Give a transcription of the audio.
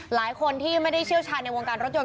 หลายคนที่ไม่ได้เชี่ยวชาญในวงการรถยน